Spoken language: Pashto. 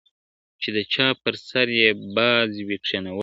چي د چا پر سر یې باز وي کښېنولی `